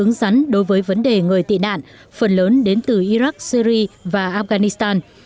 hướng dẫn đối với vấn đề người tị nạn phần lớn đến từ iraq syri và afghanistan